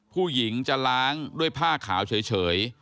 ผู้หญิงจะล้างด้วยผ้าขาวเฉย